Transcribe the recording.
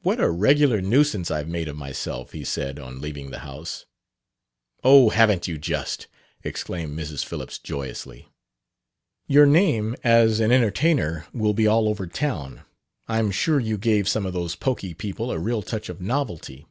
"What a regular nuisance I've made of myself!" he said, on leaving the house. "Oh, haven't you, just!" exclaimed Mrs. Phillips joyously. "Your name as an entertainer will be all over town! I'm sure you gave some of those poky people a real touch of novelty!"